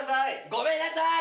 ごめんなさい！